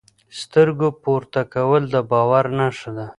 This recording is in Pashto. سترګو پورته کول د باور نښه ده.